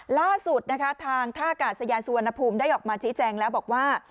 ล่าสุดนะคะทางท่ากาศยานสุวรรณภูมิได้ออกมาชี้แจงแล้วบอกว่า